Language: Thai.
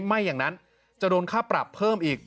ไม่อย่างนั้นจะโดนค่าปรับเพิ่มอีก